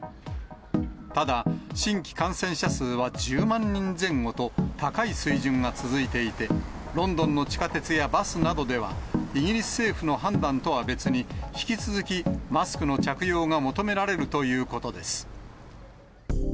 ただ、新規感染者数は１０万人前後と、高い水準が続いていて、ロンドンの地下鉄やバスなどでは、イギリス政府の判断とは別に、引き続きマスクの着用が求められるということです。